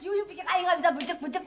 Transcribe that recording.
iy yuk pikir iy gak bisa becek